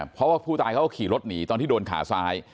เพราะว่าผู้ตายเขาก็ขี่รถหนีตอนที่โดนขาซ้าย